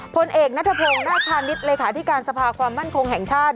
พลเอกนัทพงศ์นาคพาณิชย์เลขาธิการสภาความมั่นคงแห่งชาติ